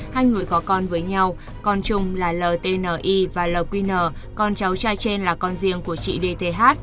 hai người có con với nhau con chung là lti và lqn con cháu trai trên là con riêng của chị dth